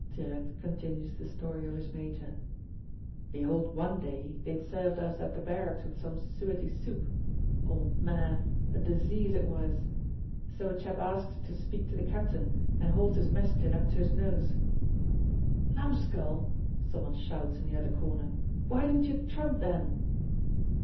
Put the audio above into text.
Tirette continues the story of his major: "Behold one day they'd served us at the barracks with some suetty soup. Old man, a disease, it was! So a chap asks to speak to the captain, and holds his mess tin up to his nose." "Numskull!" some one shouts in the other corner. "Why didn't you trump, then?"